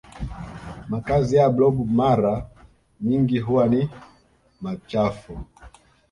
makazi ya blob mara nyingi huwa ni machafu